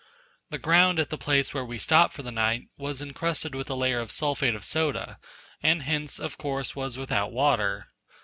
The ground at the place where we stopped for the night, was incrusted with a layer of sulphate of soda, and hence, of course, was without water.